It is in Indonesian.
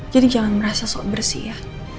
jadi jangan merasa sok bersih ya